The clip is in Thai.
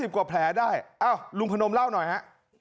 กว่าแผลได้อ้าวลุงพนมเล่าหน่อยฮะ